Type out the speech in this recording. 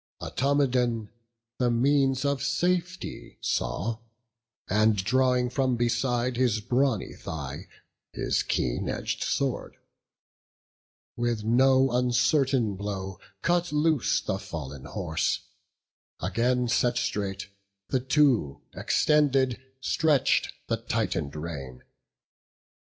Automedon the means of safety saw; And drawing from beside his brawny thigh His keen edg'd sword, with no uncertain blow Cut loose the fallen horse; again set straight, The two, extended, stretch'd the tightened rein.